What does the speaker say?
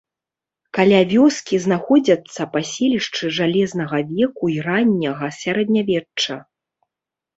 Каля вёскі знаходзяцца паселішчы жалезнага веку і ранняга сярэднявечча.